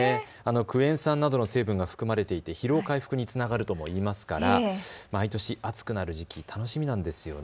クエン酸などの成分が含まれていて疲労回復につながるとも言いますから毎年暑くなる時期、楽しみなんですよね。